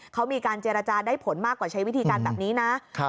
เขามีการเจรจาได้ผลมากกว่าใช้วิธีการแบบนี้นะ